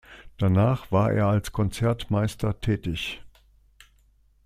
Danach war er als Konzertmeister tätig.